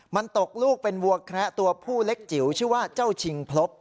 มันตกลูกเป็นวัวแคระตัวผู้เล็กจิ๋วชื่อว่าเจ้าชิงพลบ